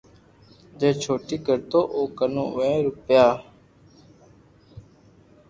جي چوٽي ڪرتو او ڪنو وھي روپيہ